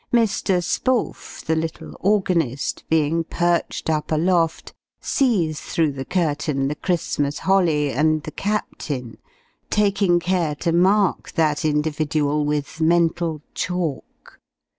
Mr. Spohf, the little organist, being perched up aloft, sees, through the curtain, the Christmas holly and the Captain taking care to mark that individual with mental chalk.